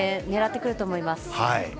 狙ってくると思います。